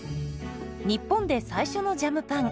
日本で最初のジャムパン。